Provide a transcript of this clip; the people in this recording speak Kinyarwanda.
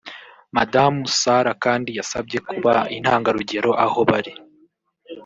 Madamu Sarah kandi yabasabye kuba intagarugero aho bari